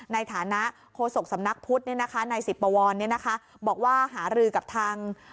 ในฐานะโฆษกสำนักพุทธนายสิบปวรบอกว่าหารือกับทาง